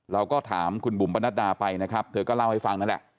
เราก็ถามคุณบุ๋มปนัดดาไปนะครับเธอก็เล่าให้ฟังนั่นแหละ